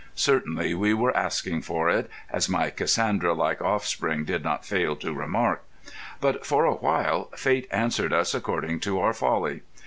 Certainly we were "asking for it," as my Cassandra like offspring did not fail to remark. But for a while Fate answered us according to our folly.